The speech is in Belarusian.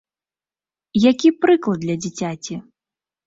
Які прыклад для дзіцяці!